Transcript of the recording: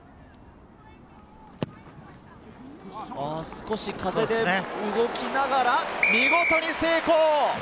少し風で動きながら見事に成功！